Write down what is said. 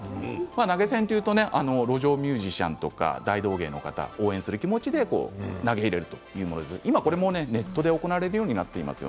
投げ銭というと路上ミュージシャンや大道芸の方を応援する気持ちで投げるというイメージがありますが今はこれもネットで行われるようになっています。